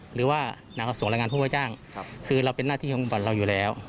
หรือว่าส่งรายงานผู้ว่าจ้างคือเราเป็นหน้าที่ของฟุตบอลเราอยู่แล้ว